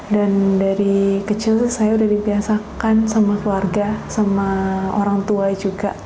dan dari kecil saya sudah dibiasakan sama keluarga sama orang tua juga